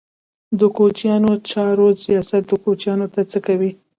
د کوچیانو چارو ریاست کوچیانو ته څه کوي؟